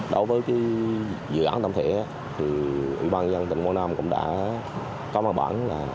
đối với cái dự án tổng thể thì ủy ban nhân dân tỉnh quảng nam cũng đã có màn bản là